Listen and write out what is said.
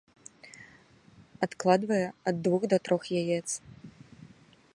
Адкладвае ад двух да трох яец.